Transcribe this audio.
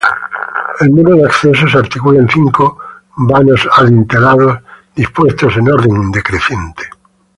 El muro de acceso se articula en cinco vanos adintelados dispuestos en orden decreciente.